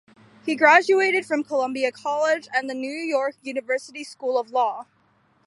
He graduated from Columbia College and the New York University School of Law.